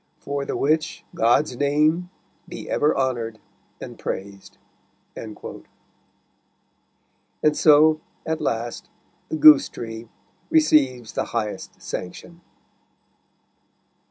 For the which God's name be ever honoured and praised." And so, at last, the Goose Tree receives the highest sanction.